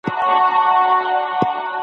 پلار یې کوچیږي مګر زوی ته ترانه پاته سي